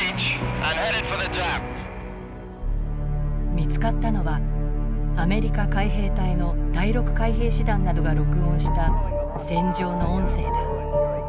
見つかったのはアメリカ海兵隊の第６海兵師団などが録音した戦場の音声だ。